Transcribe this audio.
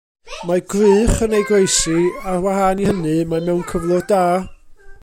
Mae gwrych yn ei groesi; ar wahân i hynny mae mewn cyflwr da.